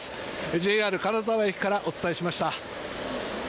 ＪＲ金沢駅からお伝えしました。